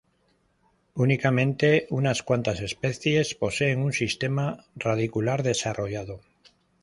Únicamente unas cuantas especies poseen un sistema radicular desarrollado.